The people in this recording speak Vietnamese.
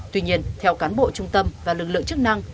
tuy nhiên theo cán bộ trung tâm và lực lượng chức năng